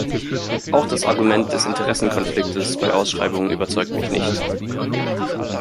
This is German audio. Auch das Argument des Interessenkonfliktes bei Ausschreibungen überzeugt mich nicht.